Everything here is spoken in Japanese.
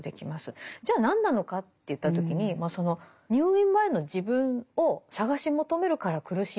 じゃあ何なのかといった時に入院前の自分を探し求めるから苦しいんだと。